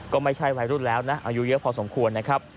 ก็ไม่ใช่วัยรุ่นแล้วนะอายุเยอะพอสมควรนะครับ